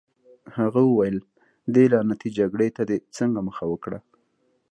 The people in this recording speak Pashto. هغه وویل: دې لعنتي جګړې ته دې څنګه مخه وکړه؟